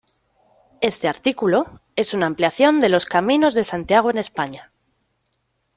Este artículo es una ampliación de los Caminos de Santiago en España.